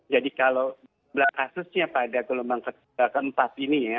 jadi kalau belakang kasusnya pada gelombang keempat ini ya